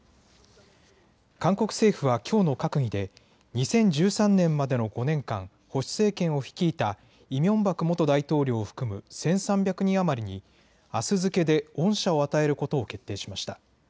韓国政府はきょうの閣議で２０１３年までの５年間保守政権を率いたイ・ミョンバク元大統領を含む１３００人余りに、あす付けで恩赦を与えることを決定しました。